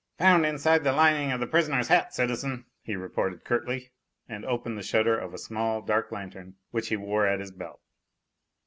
"Found inside the lining of the prisoner's hat, citizen," he reported curtly, and opened the shutter of a small, dark lantern which he wore at his belt.